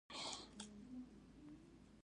ورزش زما بدن قوي کوي.